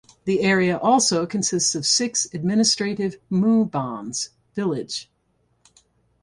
The area also consists of six administrative "mubans" (village).